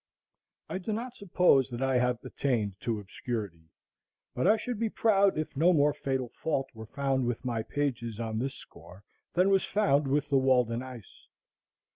I do not suppose that I have attained to obscurity, but I should be proud if no more fatal fault were found with my pages on this score than was found with the Walden ice.